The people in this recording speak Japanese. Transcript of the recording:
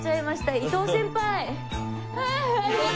伊藤先輩。